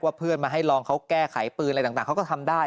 เพื่อนมาให้ลองเขาแก้ไขปืนอะไรต่างเขาก็ทำได้